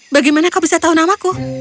bagaimana kau bisa tahu namaku